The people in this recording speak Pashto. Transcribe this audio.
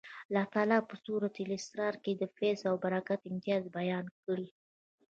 الله تعالی یې په سورة الاسرا کې د فیض او برکت امتیاز بیان کړی.